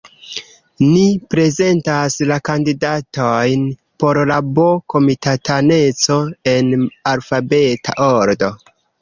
Ni prezentas la kandidatojn por la B-komitataneco en alfabeta ordo.